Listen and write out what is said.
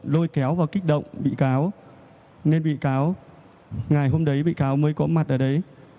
lôi kéo và kích động bị cáo nên bị cáo ngày hôm đấy bị cáo mới có mặt ở đấy